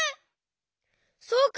そうか！